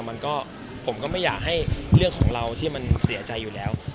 มันก็ผมก็ไม่อยากให้เรื่องของเราที่มันเสียใจอยู่แล้ว